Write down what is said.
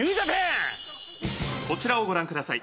「こちらをご覧ください」